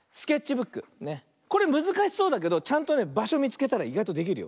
これむずかしそうだけどちゃんとねばしょみつけたらいがいとできるよ。